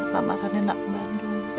nama akannya nak bandung